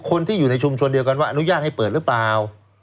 คนที่อยู่ในชุมชนเดียวกันว่าอนุญาตให้เปิดหรือเปล่า